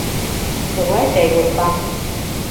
Тыглай чайгорка.